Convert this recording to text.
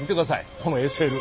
このＳＬ。